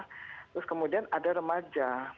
terus kemudian ada remaja